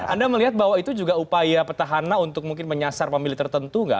anda melihat bahwa itu juga upaya petahana untuk mungkin menyasar pemilih tertentu nggak